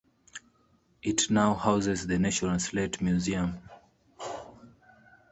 It now houses the National Slate Museum.